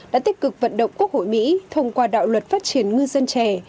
đã tích cực vận động quốc hội mỹ thông qua đạo luật phát triển ngư dân trẻ